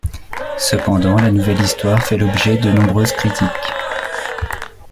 Cependant, la Nouvelle Histoire fait l'objet de nombreuses critiques.